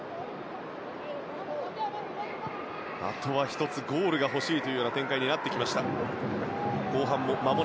あとは１つゴールが欲しいという展開になってきました。